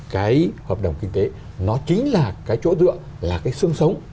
cái hợp đồng kinh tế nó chính là cái chỗ dựa là cái xương sống